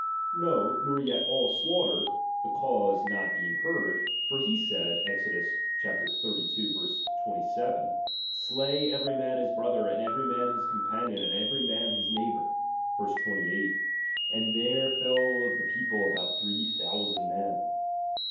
No, nor yet all slaughter, the cause not being heard ; for he said, (Exod. xxxii. 27) ; Slay every man his brother, andevery man his companion, and every man his neighbour. (Verse 28) : And there fell of the people about three thousand men.